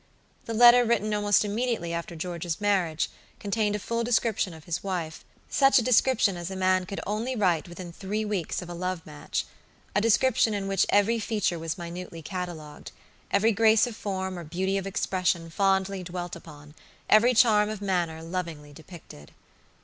The letter written almost immediately after George's marriage, contained a full description of his wifesuch a description as a man could only write within three weeks of a love matcha description in which every feature was minutely catalogued, every grace of form or beauty of expression fondly dwelt upon, every charm of manner lovingly depicted.